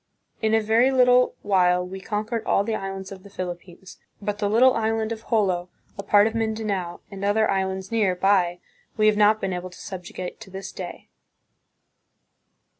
In a very little while we conquered all the islands of the Philip pines; but the little island of Jolo, a part of Mindanao, Moro "Vinta." and other islands near by we have not been able to subjugate to this day."